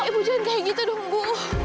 ibu jangan kayak gitu dong ibu